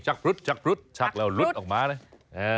ชักพรุษชักพรุษชักแล้วหลุดออกมานะ